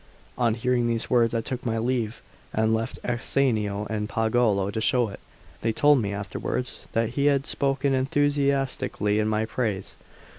On hearing these words I took my leave, and left Ascanio and Pagolo to show it. They told me afterwards that he had spoken enthusiastically in my praise.